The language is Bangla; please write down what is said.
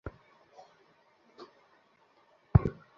পোষাক পরে নাও।